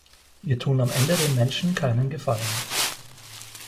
Wir tun am Ende den Menschen keinen Gefallen.